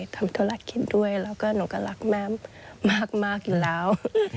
ทำธุรกิจด้วยแล้วก็หนูก็รักแม่มากอยู่แล้ว